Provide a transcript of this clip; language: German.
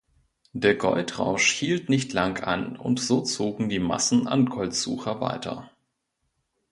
Der Goldrausch hielt nicht lang an und so zogen die Massen an Goldsucher weiter.